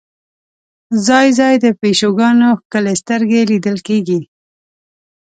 ځای ځای د پیشوګانو ښکلې سترګې لیدل کېږي.